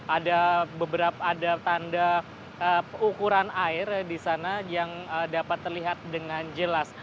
ada beberapa ada tanda ukuran air di sana yang dapat terlihat dengan jelas